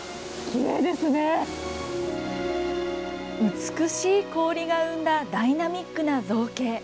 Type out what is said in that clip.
美しい氷が生んだダイナミックな造形。